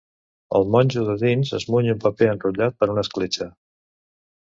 El monjo de dins esmuny un paper enrotllat per una escletxa.